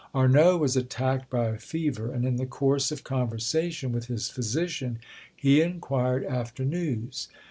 Arnauld was attacked by a fever, and in the course of conversation with his physician, he inquired after news.